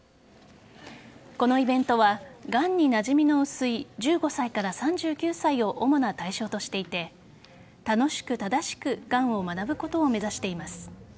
このイベントはがんになじみの薄い１５歳から３９歳を主な対象としていて楽しく正しくがんを学ぶことを目指しています。